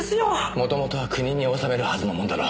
もともとは国に納めるはずのもんだろう。